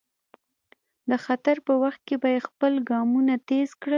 د خطر په وخت کې به یې خپل ګامونه تېز کړل.